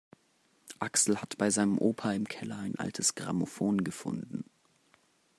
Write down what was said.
Axel hat bei seinem Opa im Keller ein altes Grammophon gefunden.